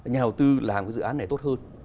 nhà đầu tư làm cái dự án này tốt hơn